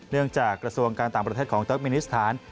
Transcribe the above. เนื่องจากกระทรวงกลางต่างประเทศของเตอร์กมินิสถาน